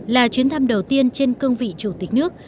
là chuyến thăm đầu tiên trên cương vị chủ tịch nước